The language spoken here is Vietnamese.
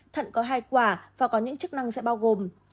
thận có hai quả và có những chức năng sẽ bao gồm